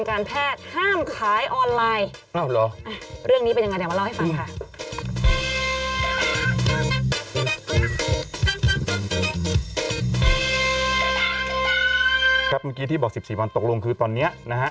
เมื่อกี้ที่บอก๑๔วันตกลงคือตอนนี้นะฮะ